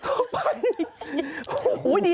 เช็ดแรงไปนี่